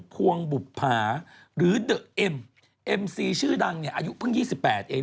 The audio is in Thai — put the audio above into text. พวงบุภาหรือเดอะเอ็มเอ็มซีชื่อดังเนี่ยอายุเพิ่ง๒๘เอง